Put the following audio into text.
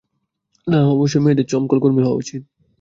না, অবশ্যই মেয়েদের চমকল কর্মী হওয়া উচিত।